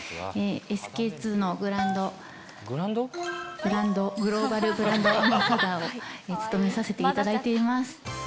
ＳＫＩＩのグランド、ブランド、グローバルブランドアンバサダーを務めさせていただいています。